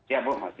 ya bu masih